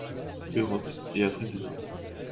Europe et Afrique du Nord.